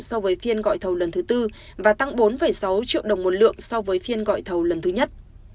so với phiên gọi thầu lần thứ tư và tăng bốn sáu triệu đồng một lượng so với phiên gọi thầu lần thứ nhất